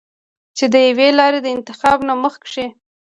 چې د يوې لارې د انتخاب نه مخکښې